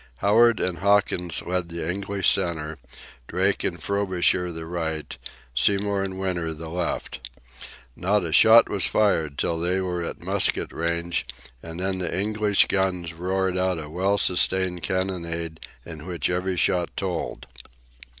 Howard and Hawkins led the English centre, Drake and Frobisher the right, Seymour and Winter the left. Not a shot was fired till they were at musket range, and then the English guns roared out in a well sustained cannonade in which every shot told.